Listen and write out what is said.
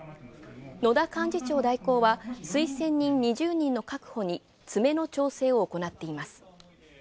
野田幹事長代行は推薦人２０人の確保に詰めの調整を行っています。